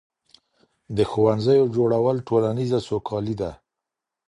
د ښوونځیو جوړول ټولنیزه سوکالي ده.